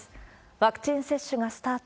ワクチン接種がスタート。